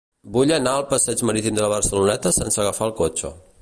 Vull anar al passeig Marítim de la Barceloneta sense agafar el cotxe.